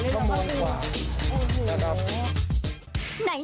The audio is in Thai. ชั่วโมงกว่าเลยหรือเปล่าครับพี่โอเคครับโอเค